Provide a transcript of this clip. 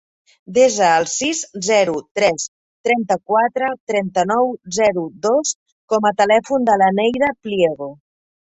Desa el sis, zero, tres, trenta-quatre, trenta-nou, zero, dos com a telèfon de la Neida Pliego.